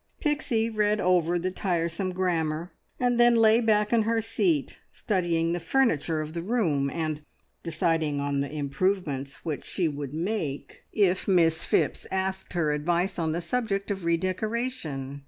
Pixie read over the tiresome grammar, and then lay back in her seat studying the furniture of the room, and deciding on the improvements which she would make if Miss Phipps asked her advice on the subject of redecoration.